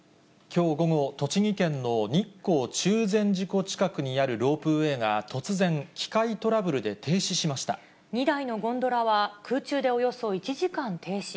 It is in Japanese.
きょう午後、栃木県の日光中禅寺湖近くにあるロープウエーが突然、機械トラブ２台のゴンドラは、空中でおよそ１時間停止。